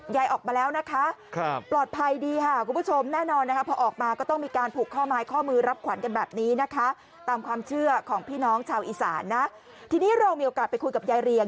ยายออกมาแล้วนะคะปลอดภัยดีค่ะคุณผู้ชมแน่นอนนะคะ